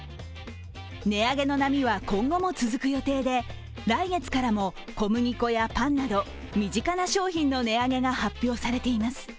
値上げの波は今後も続く予定で来月からも小麦粉やパンなど、身近な商品の値上げが発表されています。